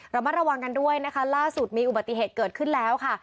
ระมัดระวังกันด้วยนะคะล่าสุดมีอุบัติเหตุเกิดขึ้นแล้วค่ะ